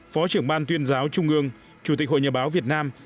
phó trưởng ban tuyên giáo trung ương chủ tịch hội nhà báo việt nam